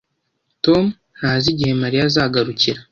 Tom ntazi igihe Mariya azagarukira